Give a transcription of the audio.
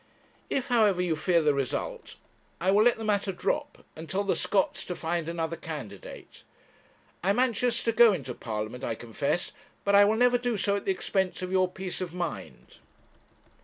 If, however, you fear the result, I will let the matter drop, and tell the Scotts to find another candidate. I am anxious to go into Parliament, I confess; but I will never do so at the expense of your peace of mind.'